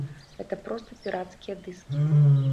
Гэта проста пірацкія дыскі.